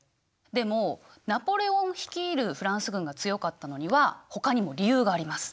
でもナポレオン率いるフランス軍が強かったのにはほかにも理由があります。